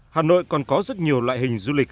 hà nội còn có rất nhiều loại hình du lịch